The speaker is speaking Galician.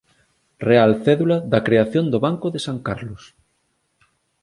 Real Cédula de creación do Banco de San Carlos